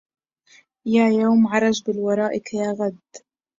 يا يوم عرج بل وراءك يا غد